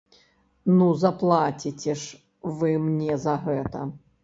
Ну заплаціце ж вы мне за гэта!